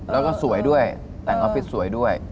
แล้วก็สวยด้วยแต่งออฟฟิศสวยด้วย